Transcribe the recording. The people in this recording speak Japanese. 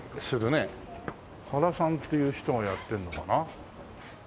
原さんっていう人がやってるのかな？